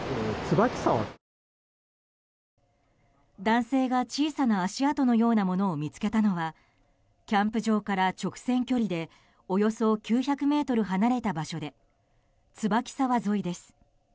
男性が小さな足跡のようなものを見つけたのはキャンプ場から直線距離でおよそ９００ｍ離れた場所で椿沢沿いです。